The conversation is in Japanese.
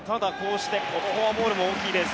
このフォアボールも大きいです。